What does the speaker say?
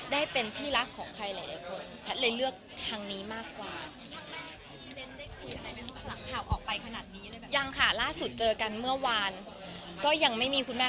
ได้เป็นที่รักของใครหลายคน